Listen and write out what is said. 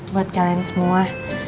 buat kalian semua